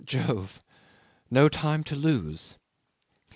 Jove! No time to lose.